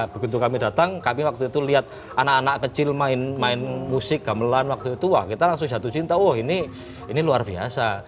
begitu kami datang kami waktu itu lihat anak anak kecil main musik gamelan waktu itu wah kita langsung jatuh cinta wah ini luar biasa